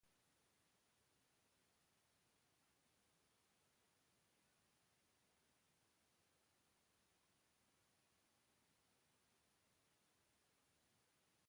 contaminação química, disseminada, acriana, maciça, erosão, subsidência, biodiversidade, aquíferos, cursos